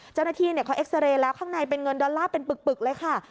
เจ้าหน้าที่เขาเอ็กซาเรย์แล้วข้างในเป็นเงินดอลลาร์เป็นปึกเลยค่ะ